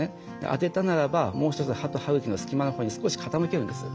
当てたならばもう一つ歯と歯茎の隙間のほうに少し傾けるんです。